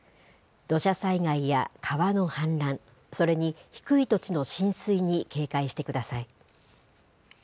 土砂災害や川の氾濫、それに低い土地の浸水に警戒してください。